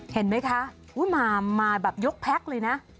เห็นไหมคะมาแบบยกแพ็คเลยนะ